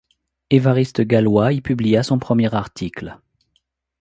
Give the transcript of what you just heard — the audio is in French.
Évariste Galois y publia son premier article.